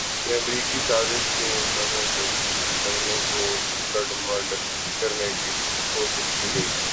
یہ امریکی سازش تھی کہ ان دونوں جنگوں کوگڈمڈ کرنے کی کوشش کی گئی۔